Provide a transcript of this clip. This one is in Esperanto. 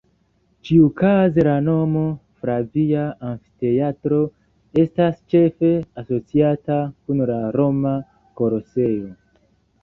Ĉiukaze la nomo "Flavia Amfiteatro" estas ĉefe asociata kun la Roma Koloseo.